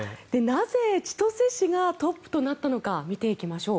なぜ、千歳市がトップとなったのか見ていきましょう。